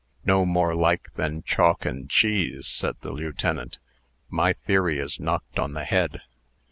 "No more like than chalk and cheese," said the lieutenant. "My theory is knocked on the head."